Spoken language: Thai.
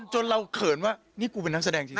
จนเราเขินว่านี่กูเป็นนักแสดงจริง